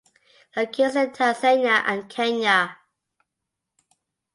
It occurs in Tanzania and Kenya.